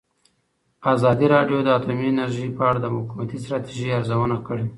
ازادي راډیو د اټومي انرژي په اړه د حکومتي ستراتیژۍ ارزونه کړې.